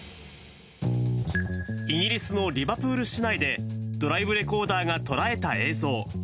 イギリスのリバプール市内で、ドライブレコーダーが捉えた映像。